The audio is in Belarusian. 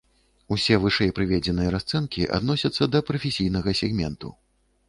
Усе вышэй прыведзеныя расцэнкі адносяцца да прафесійнага сегменту.